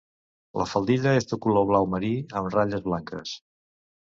La faldilla és de color blau marí amb ratlles blanques.